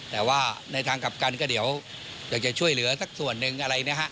แต่ว่าในทางกลับกันก็เดี๋ยวอยากจะช่วยเหลือสักส่วนหนึ่งอะไรนะฮะ